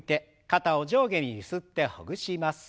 肩を上下にゆすってほぐします。